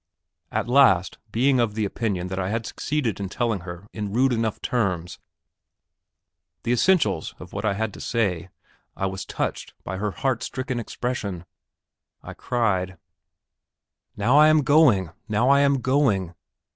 At last, being of the opinion that I had succeeded in telling her in rude enough terms the essentials of what I had to say, I was touched by her heart stricken expression. I cried: "Now I am going, now I am going.